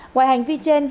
ngoài hành vi trên